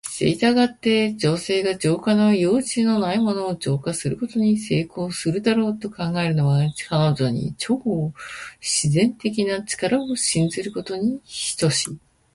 したがって、女性が浄化の余地がないものを浄化することに成功するだろうと考えるのは、彼女に超自然的な力を信じることに等しい。